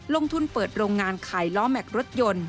ลงทุนเปิดโรงงานขายล้อแม็กซ์รถยนต์